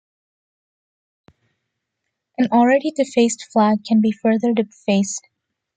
An already defaced flag can be further defaced.